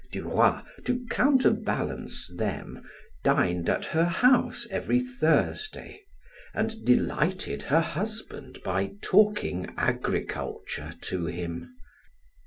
Duroy, to counterbalance them, dined at her house every Thursday, and delighted her husband by talking agriculture to him.